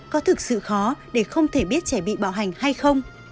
có thực sự khó để không thể biết trẻ bị bạo hành hay không